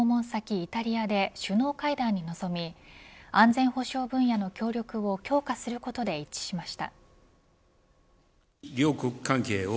イタリアで首脳会談に臨み安全保障分野の協力を強化することで一致しました。